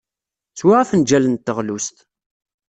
Swiɣ afenjal n teɣlust.